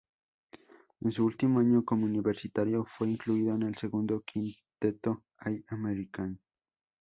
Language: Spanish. En su último año como universitario fue incluido en el segundo quinteto All-American.